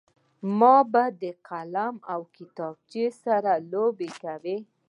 ما به د قلم او کتابچې سره لوبې کولې